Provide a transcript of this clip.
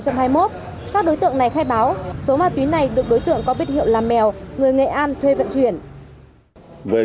các đối tượng này khai báo số ma túy này được đối tượng có biết hiệu là mèo người nghệ an thuê vận chuyển